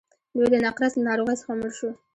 دی د نقرس له ناروغۍ څخه مړ شو.